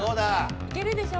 いけるでしょ？